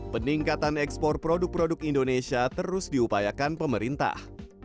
peningkatan ekspor produk produk indonesia terus diupayakan pemerintah